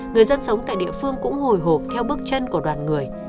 người dân sống tại địa phương cũng hồi hộp theo bước chân của đoàn người